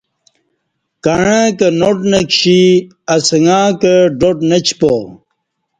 کعںݩکہ ناٹ نہ کشی اسݣہ کہ ڈاڈ نہ چپا